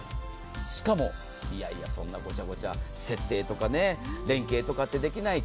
しかも、いやいやそんなごちゃごちゃ設定とか連携とかってできない。